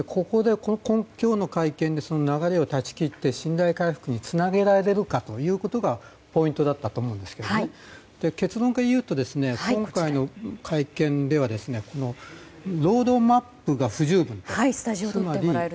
今日の会見でその流れを断ち切って信頼回復につなげられるかということがポイントだったと思うんですが結論から言うと、今回の会見ではロードマップが不十分だと。